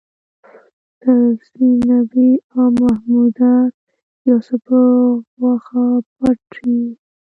تر زينبې او محموده يو څه په غوښه پټ يې.